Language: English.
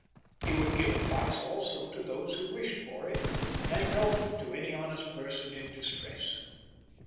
He would give advice also to those who wished for it, and help to any honest person in distress.